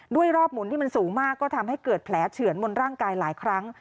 รอบหมุนที่มันสูงมากก็ทำให้เกิดแผลเฉือนบนร่างกายหลายครั้ง